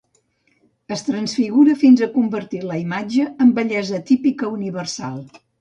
...es transfigura fins a convertir l'imatge en bellesa típica universal